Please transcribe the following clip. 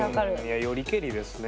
いやよりけりですね